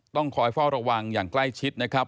ต้องคอยเฝ้าระวังอย่างใกล้ชิดนะครับ